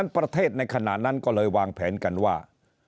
เพราะฉะนั้นก็เลยวางแผนกันว่า